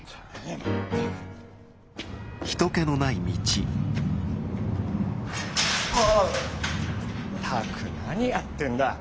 ったく何やってんだ。